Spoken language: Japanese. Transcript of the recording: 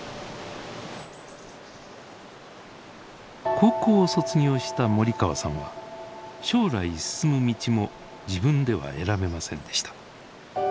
高校を卒業した森川さんは将来進む道も自分では選べませんでした。